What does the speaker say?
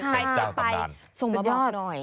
ใครเคยไปส่งมาบอกหน่อย